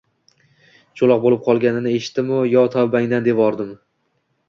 Choʻloq boʻlib qolganingni eshitdimu, yo tavbangdan, devordim.